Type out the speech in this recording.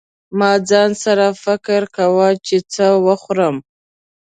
ما ځان سره فکر کاوه چې څه وخورم.